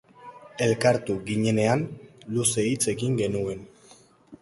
Elkartu ginenean luze hitz egin genuen.